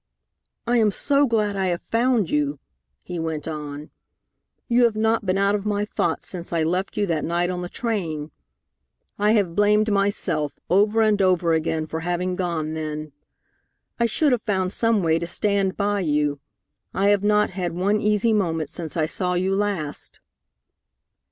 "I am so glad I have found you!" he went on. "You have not been out of my thoughts since I left you that night on the train. I have blamed myself over and over again for having gone then. I should have found some way to stand by you. I have not had one easy moment since I saw you last."